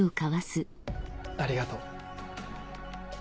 ありがとう。